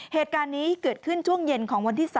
เหตุการณ์นี้เกิดขึ้นช่วงเย็นของวันที่๓